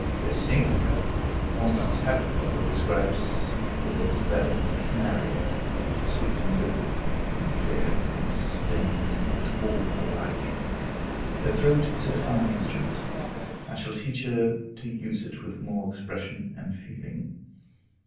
Her singing, Aunt Tabitha well describes it as that of a canary; sweet and liquid, and clear, and sustained, but all alike. Her throat is a fine instrument; I shall teach her to use it with more expression and feeling.